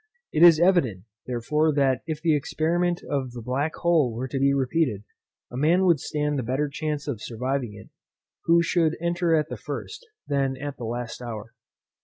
It is evident, therefore, that if the experiment of the Black Hole were to be repeated, a man would stand the better chance of surviving it, who should enter at the first, than at the last hour.